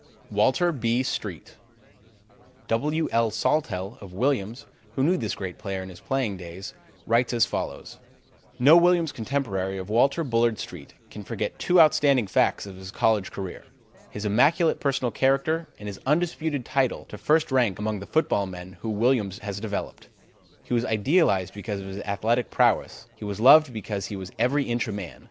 Walter B. Street W. L. Sawtelle of Williams, who knew this great player in his playing days, writes as follows: "No Williams contemporary of Walter Bullard Street can forget two outstanding facts of his college career: his immaculate personal character and his undisputed title to first rank among the football men whom Williams has developed. He was idolized because of his athletic prowess; he was loved because he was every inch a man.